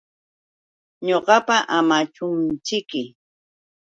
Ñuqapa Amachumćhiki.